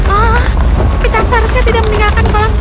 oh kita seharusnya tidak meninggalkan kolam